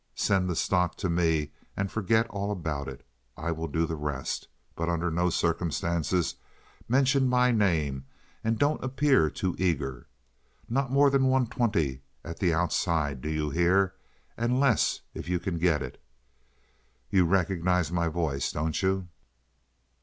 Send the stock to me and forget all about it. I will do the rest. But under no circumstances mention my name, and don't appear too eager. Not more than one twenty at the outside, do you hear? and less if you can get it. You recognize my voice, do you?"